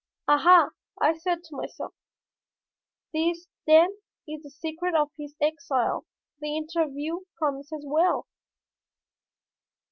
"Aha," I said to myself, "this then is the secret of his exile; the interview promises well!"